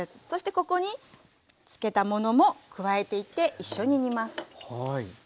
そしてここに漬けたものも加えていって一緒に煮ます。